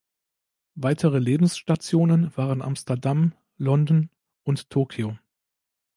Weitere Lebensstationen waren Amsterdam, London und Tokio.